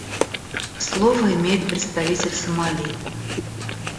Слово имеет представитель Сомали.